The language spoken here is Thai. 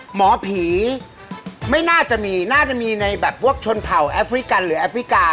หมอผีไม่น่าจะมีน่าจะมีในแบบพวกชนเผ่าแอฟริกันหรือแอฟริกา